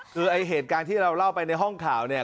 คือไอ้เหตุการณ์ที่เราเล่าไปในห้องข่าวเนี่ย